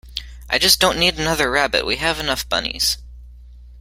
I just don't need another rabbit. We have enough bunnies.